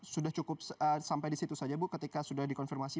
sudah cukup sampai di situ saja bu ketika sudah dikonfirmasi